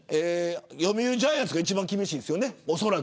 読売ジャイアンツがおそらく一番厳しいんですよね。